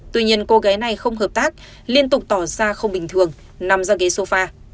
tuy nhiên cô gái này không hợp tác liên tục tỏ ra không bình thường nằm ra ghế sofa